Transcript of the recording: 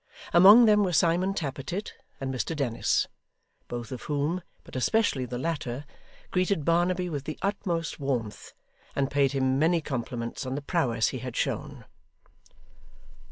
Among them were Simon Tappertit and Mr Dennis; both of whom, but especially the latter, greeted Barnaby with the utmost warmth, and paid him many compliments on the prowess he had shown.